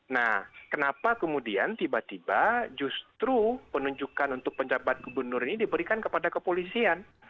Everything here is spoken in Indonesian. nah kenapa kemudian tiba tiba justru penunjukan untuk penjabat gubernur ini diberikan kepada kepolisian